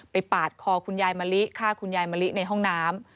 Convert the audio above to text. ปาดคอคุณยายมะลิฆ่าคุณยายมะลิในห้องน้ำ